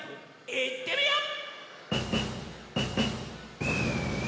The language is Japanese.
いってみよう！